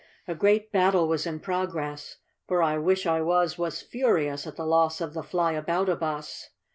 A great battle was in progress, for I wish I was was furious at the loss of the Flyabouta bus.